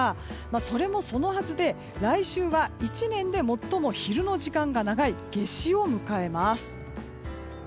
それもそのはずで来週は１年で最も昼の時間が長い夏至を迎えます。